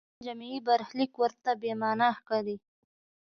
د انسان جمعي برخلیک ورته بې معنا ښکاري.